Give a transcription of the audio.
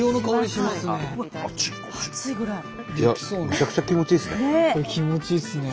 めちゃくちゃ気持ちいいですね。